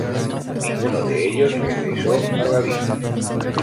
Ninguno de ellos regresó a Galicia.